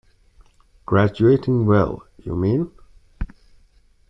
Graduating well, you mean?